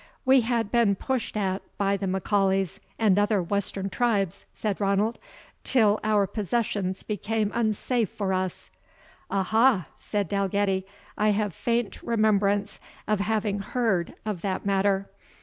"We had been pushed at by the M'Aulays, and other western tribes," said Ranald, "till our possessions became unsafe for us." "Ah ha!" said Dalgetty; "I have faint remembrance of having heard of that matter.